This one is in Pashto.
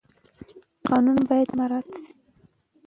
قانون باید مراعات شي.